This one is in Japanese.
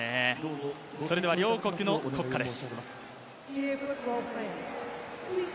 それでは両国の国歌です。